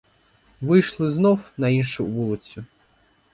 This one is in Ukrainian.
Вийшли знов на іншу вулицю.